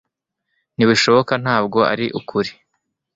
Ntibishoboka ntabwo ari ukuri.